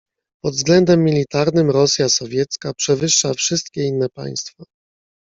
"Pod względem militarnym Rosja Sowiecka przewyższa wszystkie inne państwa."